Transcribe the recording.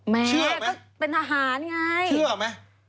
แม่ก็เป็นทหารไงเชื่อไหม